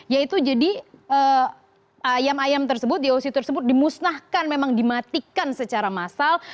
yaitu jadi ayam ayam tersebut doc tersebut dimusnahkan memang dimatikan secara massal